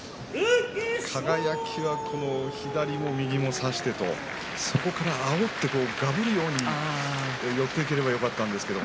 輝は、この左も右も差して横からあおってがぶるように寄っていければよかったんですが。